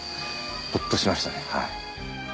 ホッとしましたね。